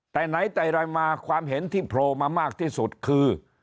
แต่ไหนแต่ไรมาความเห็นที่โผล่มามากที่สุดคือ